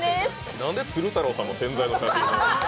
なんで鶴太郎さんの宣材の写真。